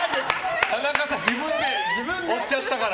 田中さん自分で押しちゃったから。